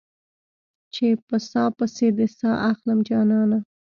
چې په ساه پسې دې ساه اخلم جانانه